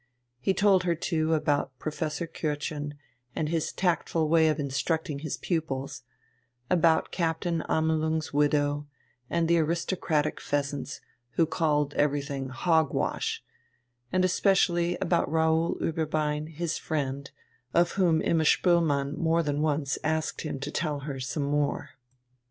He told her too about Professor Kürtchen and his tactful way of instructing his pupils, about Captain Amelung's widow, and the aristocratic "Pheasants," who called everything "hog wash," and especially about Raoul Ueberbein, his friend, of whom Imma Spoelmann more than once asked him to tell her some more.